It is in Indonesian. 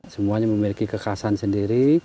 semuanya memiliki kekasan sendiri